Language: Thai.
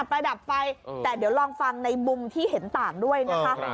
ประดับไฟแต่เดี๋ยวลองฟังในมุมที่เห็นต่างด้วยนะคะ